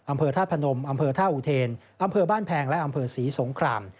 อำเภอธาตุพนมอำเภอท่าอุเทนอำเภอบ้านแพงและอำเภอศรีสงคราม